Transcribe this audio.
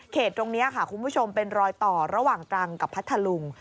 ตรงนี้ค่ะคุณผู้ชมเป็นรอยต่อระหว่างตรังกับพัทธลุง